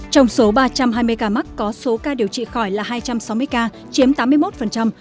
trong số ba trăm hai mươi ca mắc có số ca điều trị khỏi là hai trăm sáu mươi ca chiếm tám mươi một